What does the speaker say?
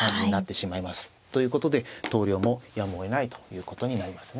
ということで投了もやむをえないということになりますね。